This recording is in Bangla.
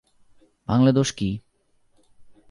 ভাঙলে দোষ কী?